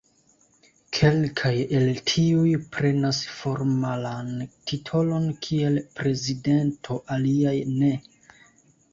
Kelkaj el tiuj prenas formalan titolon kiel "prezidento", aliaj ne.